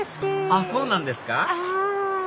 あっそうなんですか